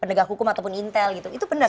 pendegah hukum ataupun intel gitu itu benar kan